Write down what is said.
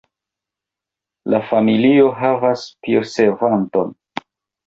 La familio havas pirservanton.